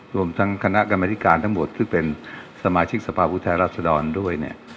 รวมทั้งคณะกรรมนาธิการทั้งหมดซึ่งเป็นสมาชิกศภาพวุทธรรษฎรด้วยแน้ย